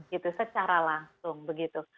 gitu secara langsung begitu